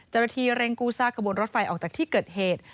จริงที่เรงกูซ่ากระบวนรถไฟออกจากที่เกิดเหตุ